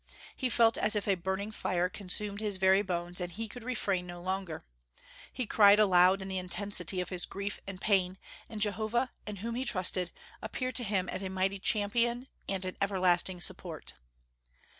He felt as if a burning fire consumed his very bones, and he could refrain no longer. He cried aloud in the intensity of his grief and pain, and Jehovah, in whom he trusted, appeared to him as a mighty champion and an everlasting support.